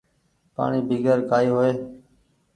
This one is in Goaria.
پآڻيٚ بيگر ڪآئي هوئي ۔